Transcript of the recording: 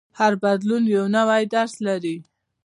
هر بدلون یو نوی درس لري.